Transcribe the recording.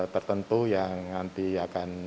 tertentu yang nanti akan